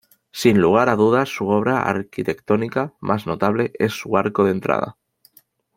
Sin lugar a dudas, su obra arquitectónica más notable es su arco de entrada.